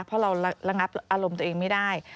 เพราะเราระงับอารมณ์ตัวเองไม่ได้